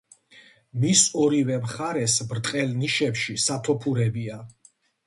მის ორივე მხარეს, ბრტყელ ნიშებში სათოფურებია.